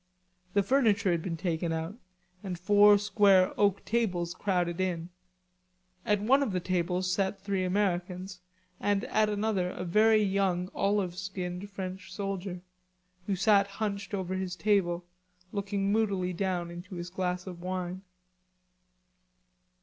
The furniture had been taken out, and four square oak tables crowded in. At one of the tables sat three Americans and at another a very young olive skinned French soldier, who sat hunched over his table looking moodily down into his glass of wine.